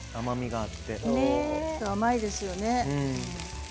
甘いですよね。